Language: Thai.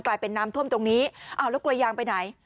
กลายเป็นน้ำท่วมตรงนี้อ้าวแล้วกลัวยางไปไหน